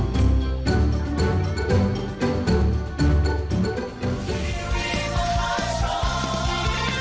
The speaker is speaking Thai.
โปรดติดตามตอนต่อไป